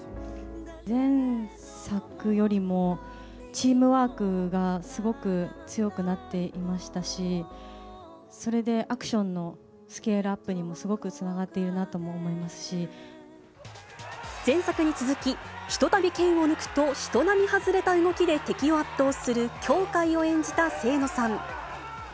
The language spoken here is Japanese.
前作よりもチームワークがすごく強くなっていましたし、それでアクションのスケールアップにもすごくつながっているなと前作に続き、ひとたび剣を抜くと、人並み外れた動きで敵を圧倒する羌かいを演じた清野さん。